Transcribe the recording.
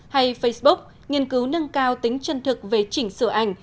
hay facebook nghiên cứu nâng cao tính chân thực về chỉnh sửa ảnh